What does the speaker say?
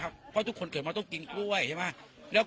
เพราะทุกคนเกิดมาต้องกินกล้วย